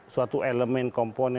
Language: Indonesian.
suatu elemen komposisi